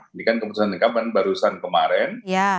ini kan keputusan mk barusan kemarin